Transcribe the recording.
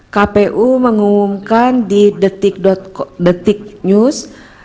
kpu mengumumkan di detik news